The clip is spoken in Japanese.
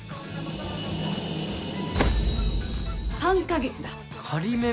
３か月だ。